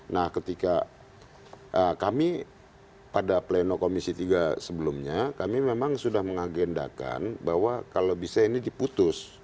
nah ketika kami pada pleno komisi tiga sebelumnya kami memang sudah mengagendakan bahwa kalau bisa ini diputus